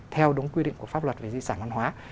theo đúng quy định của pháp luật về di sản văn hóa